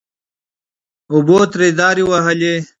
اوبو ترې دارې وهلې. .